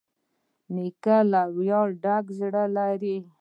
نیکه له ویاړه ډک زړه لري.